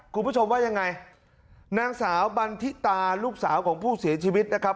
คุณผู้ชมว่ายังไงนางสาวบันทิตาลูกสาวของผู้เสียชีวิตนะครับ